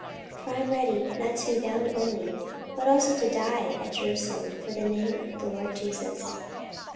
for I am ready not to be bound only, but also to die at Jerusalem for the name of the Lord Jesus.